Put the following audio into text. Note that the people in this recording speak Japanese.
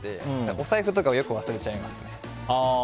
お財布とかもよく忘れちゃいますね。